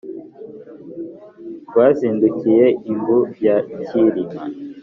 rwa nzindukiy-imbu ya cyilima